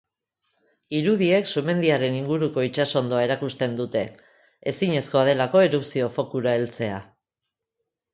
Irudiek sumendiaren inguruko itsas hondoa erakusten dute, ezinezkoa delako erupzio fokura heltzea.